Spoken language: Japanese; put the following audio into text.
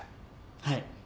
はい。